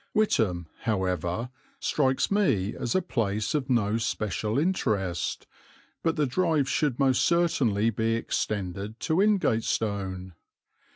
Witham, however, strikes me as a place of no special interest, but the drive should most certainly be extended to Ingatestone.